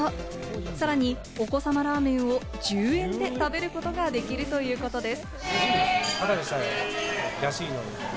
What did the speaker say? さらにお子さまラーメンを１０円で食べることができるということです。